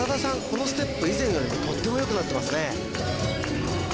このステップ以前よりもとってもよくなってますね